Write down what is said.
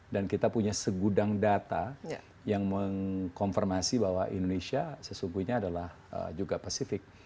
dan kita punya segudang data yang mengkonfirmasi bahwa indonesia sesungguhnya adalah juga pasifik